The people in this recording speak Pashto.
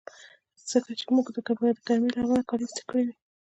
ځکه چې موږ به د ګرمۍ له امله کالي ایسته کړي وي.